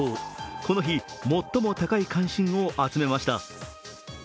この日最も高い関心を集めました。